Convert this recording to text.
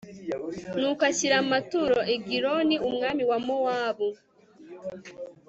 nuko ashyira amaturo egiloni, umwami wa mowabu